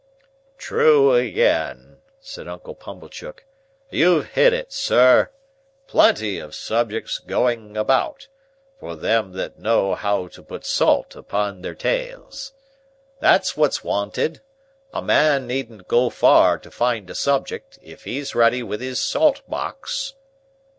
"True again," said Uncle Pumblechook. "You've hit it, sir! Plenty of subjects going about, for them that know how to put salt upon their tails. That's what's wanted. A man needn't go far to find a subject, if he's ready with his salt box."